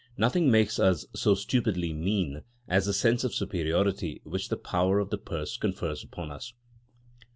Nothing makes us so stupidly mean as the sense of superiority which the power of the purse confers upon us.